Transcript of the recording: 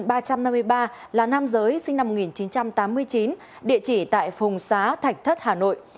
điều ba trăm năm mươi ba là nam giới sinh năm một nghìn chín trăm tám mươi chín địa chỉ tại phùng xá thạch thất hà nội